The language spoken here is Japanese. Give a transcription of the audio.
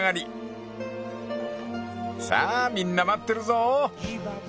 ［さあみんな待ってるぞ！］